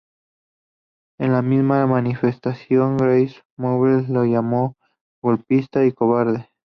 En la misma manifestación, Grace Mugabe le llamó "golpista" y "cobarde".